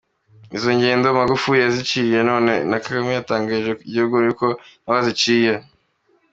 Izo ngendo Magufuli yaraziciye none na Kagame yatangarije igihugu yuko nawe aziciye.